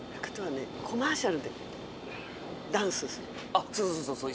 あっそうそうそうそうそう。